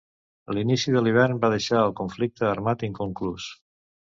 L'inici de l'hivern va deixar el conflicte armat inconclús